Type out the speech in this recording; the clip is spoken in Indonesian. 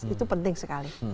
itu penting sekali